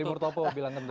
kalimur topo bilang tentu